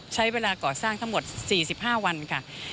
ใช้เวลาก่อสร้างทั้งหมด๔๕วันค่ะ